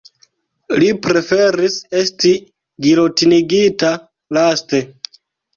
Li preferis esti gilotinigita laste.